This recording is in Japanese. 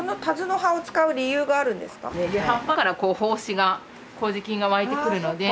葉っぱから胞子が麹菌が湧いてくるので。